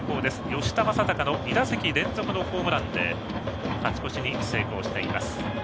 吉田正尚の２打席連続のホームランで勝ち越しに成功しています。